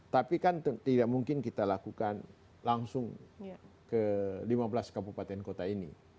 tapi kan tidak mungkin kita lakukan langsung ke lima belas kabupaten kota ini